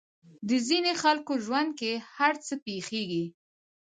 د ځينې خلکو ژوند کې هر څه پېښېږي.